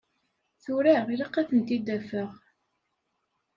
Tura ilaq ad ten-id-afeɣ.